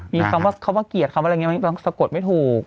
มีคำว่าเขาว่าเกียรติคำอะไรอย่างงี้มันต้องสะกดไม่ถูก